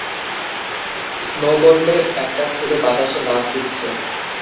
স্নোবোর্ডে একটা ছেলে বাতাসে লাফ দিচ্ছে।